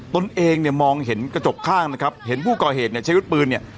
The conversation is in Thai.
ตนเองเนี่ยมองเห็นกระจกข้างนะครับเห็นผู้ก่อเหตุเนี่ยใช้วุฒิปืนเนี่ย